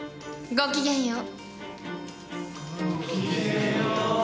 ごきげんよう。